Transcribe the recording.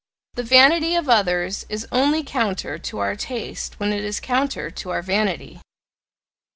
The vanity of others is only counter to our taste when it is counter to our vanity.